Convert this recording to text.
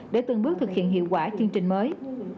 để từng bước thực hiện hiệu quả chương trình mới